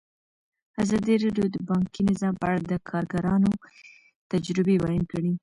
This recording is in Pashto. ازادي راډیو د بانکي نظام په اړه د کارګرانو تجربې بیان کړي.